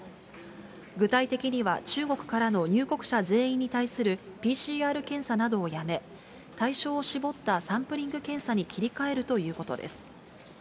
具体的には、中国からの入国者全員に対するＰＣＲ検査などをやめ、対象を絞ったサンプリング検査に切り替えるということです。